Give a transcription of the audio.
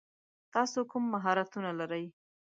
تاسو کوم مهارتونه لری ؟